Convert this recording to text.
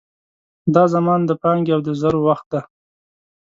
دا زمان د پانګې او د زرو وخت دی.